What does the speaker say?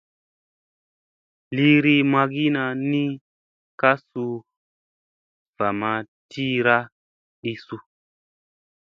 Liri magina ni ka suu va ma tira ɗi suu.